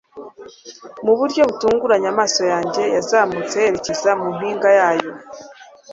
mu buryo butunguranye amaso yanjye yazamutse yerekeza mu mpinga yayo